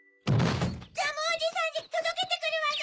ジャムおじさんにとどけてくるわね！